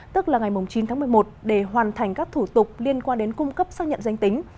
tức là ngày chín tháng một mươi một để hoàn thành các thủ tục liên quan đến cung cấp xác nhận danh tính